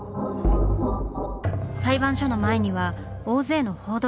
裁判所の前には大勢の報道陣が。